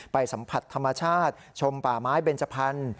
สัมผัสธรรมชาติชมป่าไม้เบนจพันธุ์